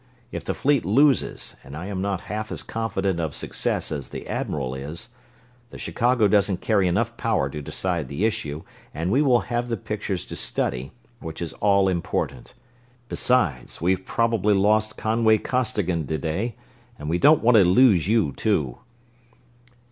If the fleet loses and I am not half as confident of success as the Admiral is the Chicago doesn't carry enough power to decide the issue, and we will have the pictures to study, which is all important. Besides, we've probably lost Conway Costigan to day, and we don't want to lose you, too."